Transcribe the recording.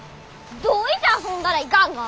どういて遊んだらいかんが？